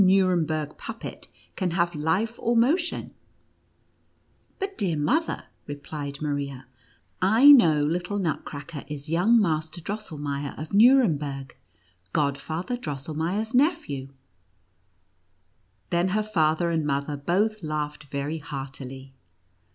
Nuremberg puppet can have life or motion V " But, dear mother," replied Maria, " I know little Nutcracker is young Master Drosselmeier, of Nuremberg, Godfather Drosselmeier's nephew." Then her father and mother both laughed very heartily.